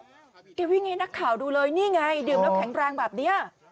เกลี้ยวนี่ไงนักข่าวดูเลยดื่มแล้วแข็งแรงแบบนี้